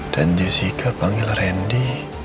dan jessica panggil rendy